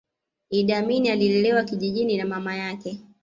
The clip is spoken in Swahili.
iddi amin alilelewa kijijini na mama yake